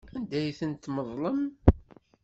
Anda ay tent-tmeḍlem?